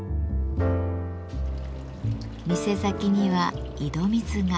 店先には井戸水が。